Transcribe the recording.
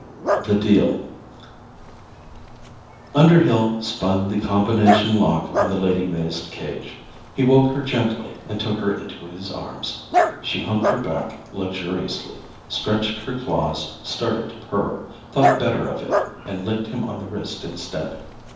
THE DEAL Underhill spun the combination lock on the Lady May's cage. He woke her gently and took her into his arms. She humped her back luxuriously, stretched her claws, started to purr, thought better of it, and licked him on the wrist instead.